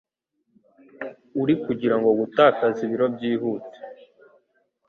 Uri kugira ngo gutakaza ibiro byihute.